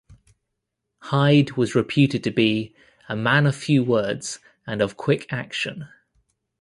Hyde was reputed to be "a man of few words and of quick action".